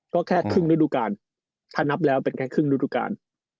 ก็แค่ครึ่งฤดูการถ้านับแล้วเป็นแค่ครึ่งฤดูกาล